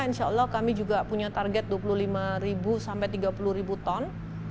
insya allah kami juga punya target dua puluh lima sampai tiga puluh ton